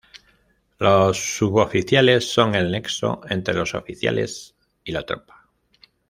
Los Suboficiales son el nexo entre los oficiales y la tropa.